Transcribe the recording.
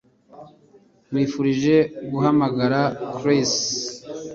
Nkwifurije guhamagara Chris